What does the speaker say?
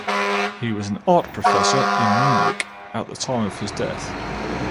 He was an art professor in Munich at the time of his death.